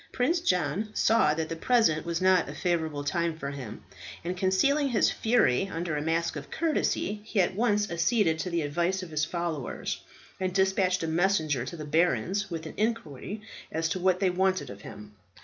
Prince John saw that the present was not a favourable time for him, and concealing his fury under a mask of courtesy, he at once acceded to the advice of his followers, and despatched a messenger to the barons with an inquiry as to what they wanted of him.